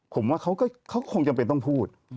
ผมว่าเขาก็คงต้องพูด